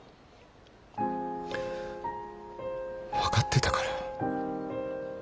分かってたから。